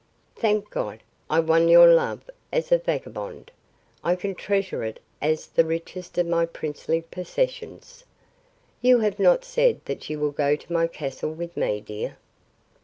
Thank God, I won your love as a vagabond. I can treasure it as the richest of my princely possessions. You have not said that you will go to my castle with me, dear."